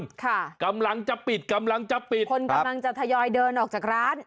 ค่ะกำลังจะปิดกำลังจะปิดคนกำลังจะทยอยเดินออกจากร้าน